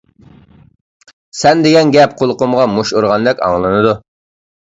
سەن دېگەن گەپ قۇلىقىمغا مۇش ئۇرغاندەك ئاڭلىنىدۇ.